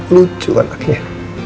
lucu kan anaknya